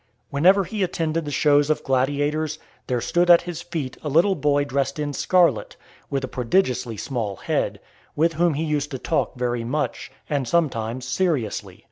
Whenever he attended the shows of gladiators, there stood at his feet a little boy dressed in scarlet, with a prodigiously small head, with whom he used to talk very much, and sometimes seriously.